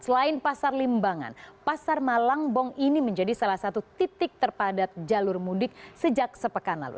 selain pasar limbangan pasar malangbong ini menjadi salah satu titik terpadat jalur mudik sejak sepekan lalu